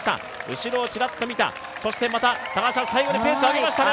後ろをちらっと見た、そして最後にまたペースを上げましたね。